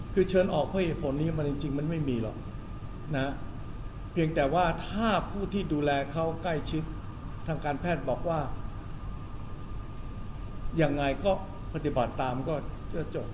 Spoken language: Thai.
คือเชิญออกเพราะเหตุผลนี้มันจริงมันไม่มีหรอกนะเพียงแต่ว่าถ้าผู้ที่ดูแลเขาใกล้ชิดทางการแพทย์บอกว่ายังไงก็ปฏิบัติตามก็จะจบ